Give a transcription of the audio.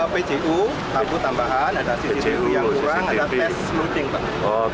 pcu tabu tambahan ada cctv yang kurang ada test smoothing